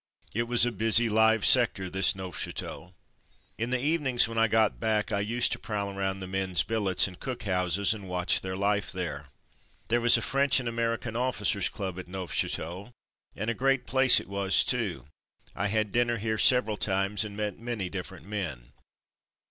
It was a busy live sector this Neufchateau. In the evenings, when I got back, I used to prowl around the men's billets and cook houses and watch their life there. There was a French and American officers' club at Neufchateau, and a great place it was, too. I had dinner here several times and met many different men.